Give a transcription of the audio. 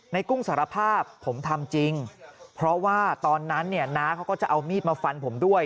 กุ้งสารภาพผมทำจริงเพราะว่าตอนนั้นเนี่ยน้าเขาก็จะเอามีดมาฟันผมด้วย